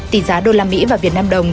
tỷ giá đô la mỹ và việt nam đồng